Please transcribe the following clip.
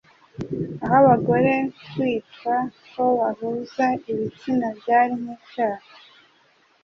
aho abagore kwitwa ko bahuza ibitsina byari nk'icyaha.